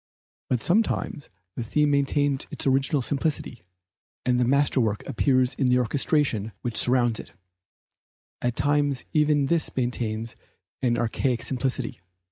But sometimes the theme maintains its original simplicity, and the masterwork appears in the orchestration which surrounds it; at times even this maintains an archaic simplicity.